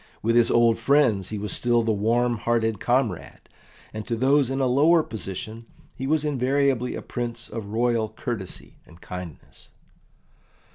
With his old friends he was still the warm hearted comrade, and to those in a lower position he was invariably a Prince of royal courtesy and kindness.